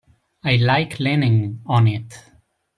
I like leaning on it.